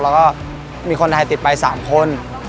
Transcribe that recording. แล้วก็มีคนไทยติดไป๓คน